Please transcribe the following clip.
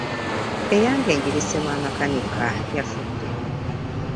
Eyange ngirese wa makanika yafuddemu.